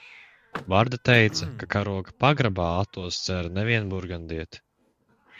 Varde teica, ka kroga pagrabā Atoss dzēra ne vien burgundieti.